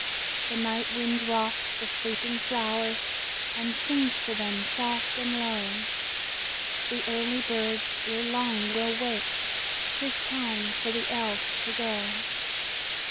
The night wind rocks the sleeping flowers, And sings to them, soft and low. The early birds erelong will wake: 'T is time for the Elves to go.